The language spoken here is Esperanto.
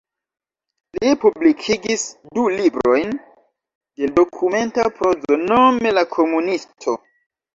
Li publikigis du librojn de dokumenta prozo, nome "La Komunisto".